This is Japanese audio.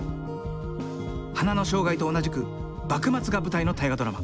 「花の生涯」と同じく幕末が舞台の大河ドラマ